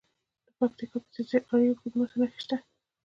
د پکتیا په ځاځي اریوب کې د مسو نښې شته.